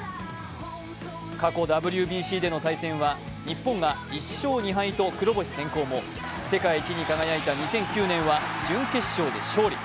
過去、ＷＢＣでの対戦は日本が１勝２敗と黒星先行も世界一に輝いた２００９年は準決勝で勝利。